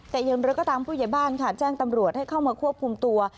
แต่อย่างไรก็ตามผู้ใหญ่บ้านค่ะแจ้งตำรวจให้เข้ามาควบคุมตัว